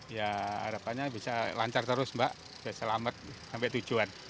ya harapannya bisa lancar terus mbak selamat sampai tujuan